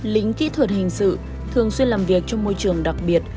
lĩnh kỹ thuật hình sự thường xuyên làm việc trong môi trường đặc biệt